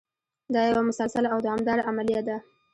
دا یوه مسلسله او دوامداره عملیه ده.